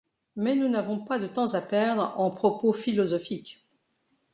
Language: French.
Mais nous n’avons pas de temps à perdre en propos philosophiques.